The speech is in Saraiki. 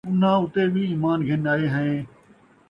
اُنھاں اُتے وِی ایمان گِھن آئے ہَیں،